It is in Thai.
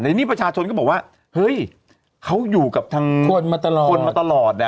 นี่ประชาชนก็บอกว่าเฮ้ยเขาอยู่กับทางคนมาตลอดคนมาตลอด